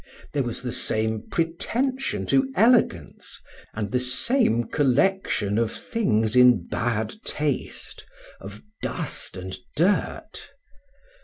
There was the same pretension to elegance, and the same collection of things in bad taste, of dust and dirt.